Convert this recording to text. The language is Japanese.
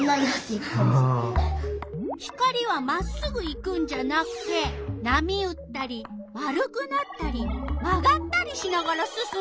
光はまっすぐ行くんじゃなくてなみうったり丸くなったりまがったりしながらすすむ！？